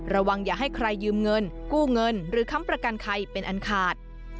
อย่าให้ใครยืมเงินกู้เงินหรือค้ำประกันใครเป็นอันขาด